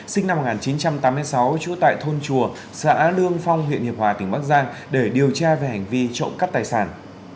sinh năm một nghìn chín trăm tám mươi sáu trú tại thôn chùa xã lương phong huyện hiệp hòa tỉnh bắc giang để điều tra về hành vi trộm cắp tài sản